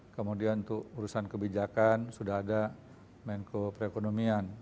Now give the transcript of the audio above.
kemudian untuk urusan kebijakan sudah ada menko perekonomian